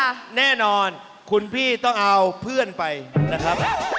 แน่นอนคุณพี่ต้องเอาเพื่อนไปนะครับ